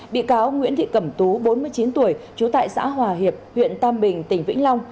bị cáo nguyễn thị cẩm tú bốn mươi chín tuổi trú tại xã hòa hiệp huyện tam bình tỉnh vĩnh long